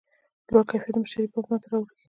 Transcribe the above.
لوړ کیفیت د مشتری پام ځان ته رااړوي.